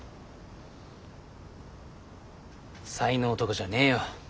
才能とかじゃねえよ。